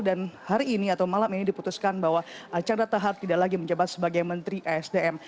dan hari ini atau malam ini diputuskan bahwa archandra thakar tidak lagi menjabat sebagai menteri isdm